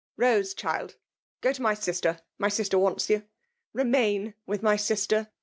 " Rose, child !— go to my sister ; my sister wants you. Refnain with my sister!'